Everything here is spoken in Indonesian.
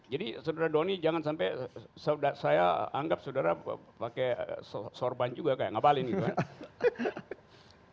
jadi saudara doni jangan sampai saya anggap saudara pakai sorban juga kayak ngabalin gitu kan